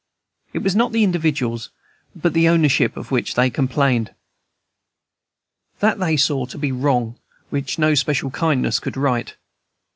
It was not the individuals, but the ownership, of which they complained. That they saw to be a wrong which no special kindnesses could right.